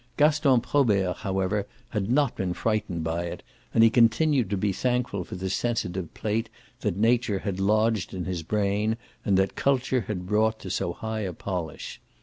Gaston Probert however had not been frightened by it, and he continued to be thankful for the sensitive plate that nature had lodged in his brain and that culture had brought to so high a polish.